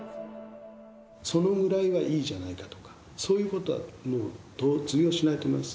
そのぐらいはいいじゃないかとか、そういうことはもう通用しないと思います。